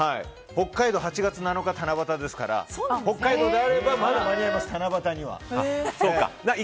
北海道８月７日、七夕ですから北海道であればまだ間に合います、七夕には。